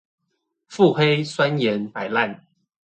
腹黑、酸言、擺爛